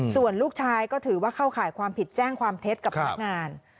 ส่วนลูกชายก็ถือว่าเข้าข่ายความผิดแจ้งความเท็จกับพนักงาน